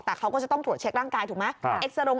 แต่เขาก็จะต้องตรวจเช็คร่างกายถูกไหม